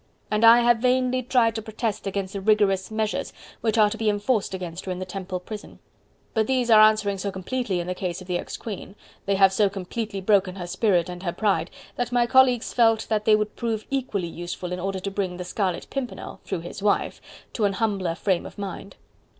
and I have vainly tried to protest against the rigorous measures which are to be enforced against her in the Temple prison.... But these are answering so completely in the case of the ex queen, they have so completely broken her spirit and her pride, that my colleagues felt that they would prove equally useful in order to bring the Scarlet Pimpernel through his wife to an humbler frame of mind."